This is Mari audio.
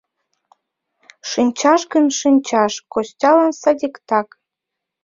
Шинчаш гын, шинчаш, Костялан садиктак.